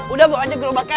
udah mau aja gue bakal